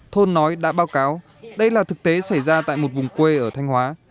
thôn nói đã báo cáo đây là thực tế xảy ra tại một vùng quê ở thanh hóa